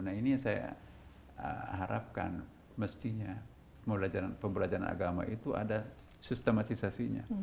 nah ini yang saya harapkan mestinya pembelajaran agama itu ada sistematisasinya